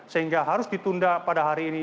sehingga harus ditunda pada hari ini